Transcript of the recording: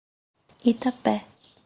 Itapé